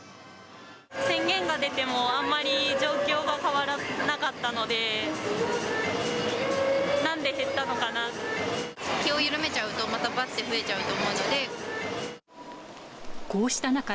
宣言が出ても、あんまり状況が変わらなかったので、気を緩めちゃうと、またばって増えちゃうと思うので。